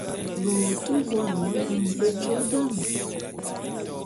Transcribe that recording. Ve wo te vuane ma nge jôe dam.